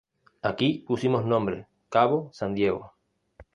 Aquí pusimos nombre "Cabo San Diego""...".